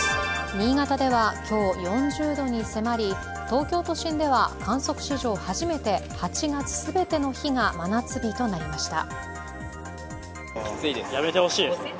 新潟では今日４０度に迫り東京都心では観測史上初めて８月全ての日が真夏日となりました。